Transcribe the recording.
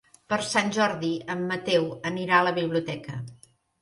Per Sant Jordi en Mateu anirà a la biblioteca.